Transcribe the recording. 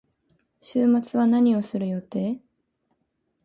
週末は何をする予定？